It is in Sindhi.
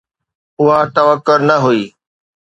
اها توقع نه هئي.